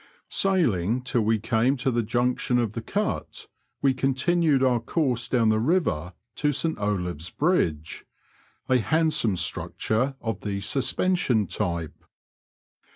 Sailing till we came to the junction of the Cut, we continued our course down the river to St Olaves Bridge, a handsome structure of the suspension type.